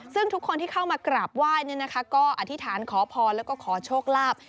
ซึ่งทุกคนที่เข้ามากราบไหว้ก็อธิษฐานขอพรแล้วก็ขอโชคลาภ